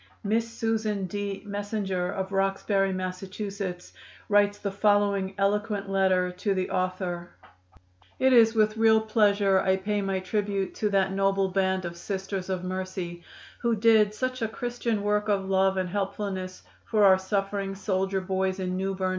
Miss Susan D. Messinger, of Roxbury, Mass., writes the following eloquent letter to the author: "It is with real pleasure I pay my tribute to that noble band of Sisters of Mercy, who did such a Christian work of love and helpfulness for our suffering soldier boys in New Berne, N.